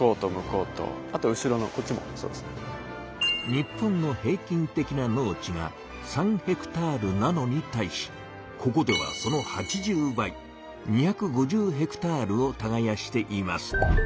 日本の平均的な農地が３ｈａなのに対しここではその８０倍２５０ｈａをたがやしています。